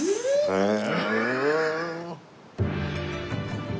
へえ。